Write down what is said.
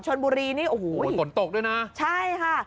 โอ้โหว้วฝนตกด้วยนะ